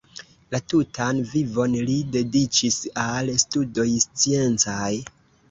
La tutan vivon li dediĉis al studoj sciencaj.